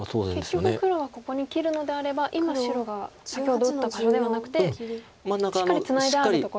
結局黒はここに切るのであれば今白が先ほど打った場所ではなくてしっかりツナいであるところ。